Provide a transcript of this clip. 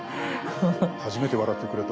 初めて笑ってくれた。